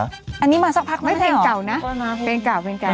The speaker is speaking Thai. อันนี้มาสักพักแล้วไม่เป็นเก่านะเพลงเก่า